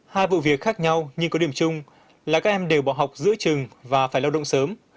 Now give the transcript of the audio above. hai vụ việc khác nhau nhưng có điểm chung là các em đều bỏ học giữa trường và phải lao động sớm